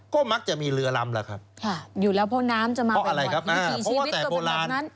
ก็มักจะมีเรือลำล่ะครับอยู่แล้วเพราะน้ำจะมาอยู่ที่ชีวิตตรงนั้นนั้น